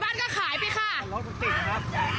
มันจอดพาอยู่อย่างเงี้ย